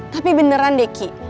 tapi beneran deh ki